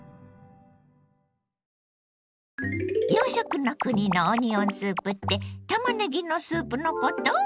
洋食の国のオニオンスープってたまねぎのスープのこと？